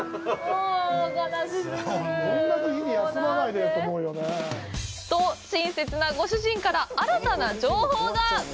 もうなんで。と、親切なご主人から新たな情報が。